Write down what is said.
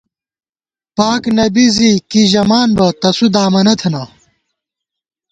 پاک نبیؐ زی کی ژَمان بہ، تسُو دامَنہ تھنہ